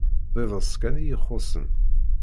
D iḍes kan iyi-ixuṣṣen.